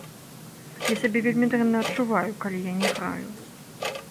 Я сябе вельмі дрэнна адчуваю, калі я не граю.